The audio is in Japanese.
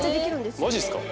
マジっすか？